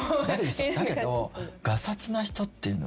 だけど。